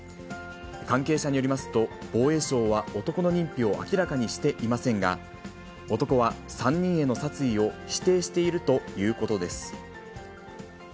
関係者によりますと、防衛省は男の認否を明らかにしていませんが、男は３人への殺意を否定しているということです。